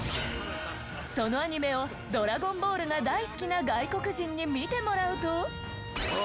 そのアニメを『ドラゴンボール』が大好きな外国人に見てもらうと。